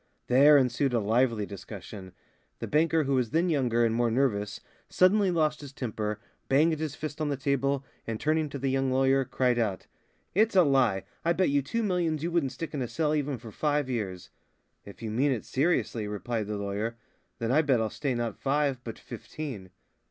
There ensued a lively discussion. The banker who was then younger and more nervous suddenly lost his temper, banged his fist on the table, and turning to the young lawyer, cried out: "It's a lie. I bet you two millions you wouldn't stick in a cell even for five years." "If you mean it seriously," replied the lawyer, "then I bet I'll stay not five but fifteen."